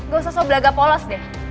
gak usah sobel agak polos deh